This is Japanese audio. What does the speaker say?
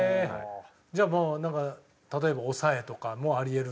じゃあなんか例えば抑えとかもあり得ると。